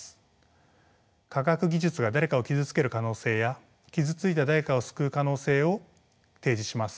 科学技術が誰かを傷つける可能性や傷ついた誰かを救う可能性を提示します。